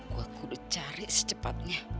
gue kudu cari secepatnya